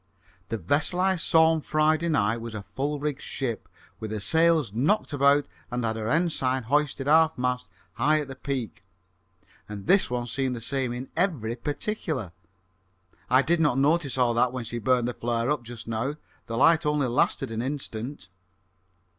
"The vessel I saw on Friday night was a full rigged ship, with her sails knocked about and had her ensign hoisted half mast high at the peak, and this one seemed the same in every particular. I did not notice all that when she burnt the flare up just now. The light only lasted an instant."